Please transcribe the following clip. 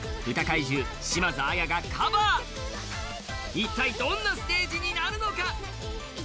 一体どんなステージになるのか？